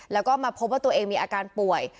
แล้วก็มาพบว่าตัวเองมีอาการป่วย